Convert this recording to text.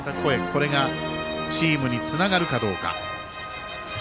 これがチームにつながるかどうか。